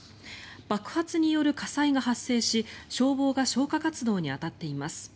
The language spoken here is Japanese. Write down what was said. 爆発による火災が発生し消防が消火活動に当たっています。